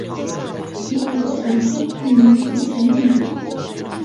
席格本身是名无神论者。